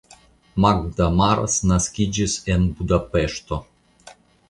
Magda Maros naskiĝis la en Budapeŝto.